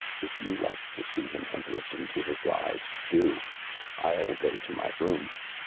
If you like to see him and listen to his lies, do. I'll go to my room."